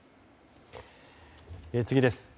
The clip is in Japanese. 次です。